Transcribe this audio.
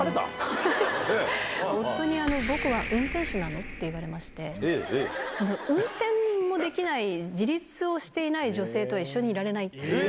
夫に僕は運転手なの？って言われまして、運転もできない、自立をしていない女性とは、一緒にいられないって。